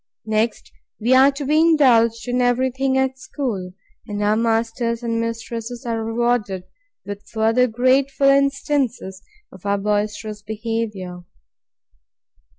Next, we are to be indulged in every thing at school; and our masters and mistresses are rewarded with further grateful instances of our boisterous behaviour.